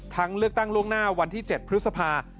เลือกตั้งล่วงหน้าวันที่๗พฤษภา